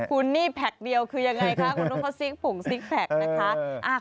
คุณนี่แพ็คเดียวคือยังไงคะคุณรู้มันซิ๊กปุงซิ๊กแพ็คนะคะ